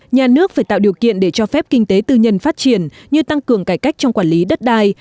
nhà nước phải tạo điều kiện để cho phép kinh tế tư nhân phát triển như tăng cường cải cách trong quản lý đất đai